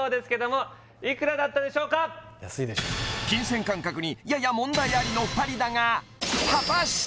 安いでしょ金銭感覚にやや問題ありの２人だが果たして？